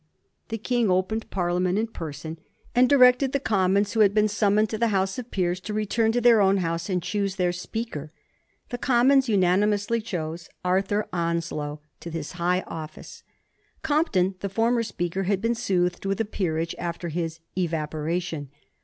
The King opened Parlia ment in person, and directed the Commons, who had been summoned to the House of Peers, to return to their own House and choose their Speaker. The Commons unanimously chose Arthur Onslow to this high office. Compton, the former Speaker, had been soothed with a peerage after his 'evaporation.